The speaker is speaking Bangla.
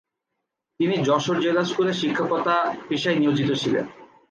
তিনি যশোর জেলা স্কুলে শিক্ষকতা পেশায় নিয়োজিত ছিলেন।